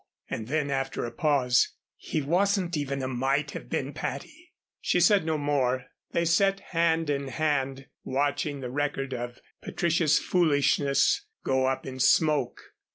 And then, after a pause, "He wasn't even a might have been, Patty." She said no more. They sat hand in hand watching the record of Patricia's foolishness go up in smoke.